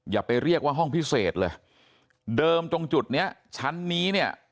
อย่าไปเรียกว่าห้องพิเศษเลยเดิมตรงจุดเนี้ยชั้นนี้เนี่ย